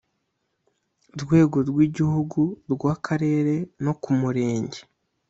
rwego rw igihugu urw akarere no ku murenge